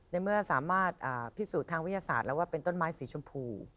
ในเมื่อสามารถพิสูจน์ทางวิทยาศาสตร์แล้วว่าเป็นต้นไม้สีชมพู